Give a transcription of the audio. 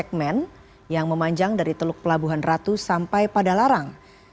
segmen yang memanjang dari teluk pelabuhan ratu sampai pada larang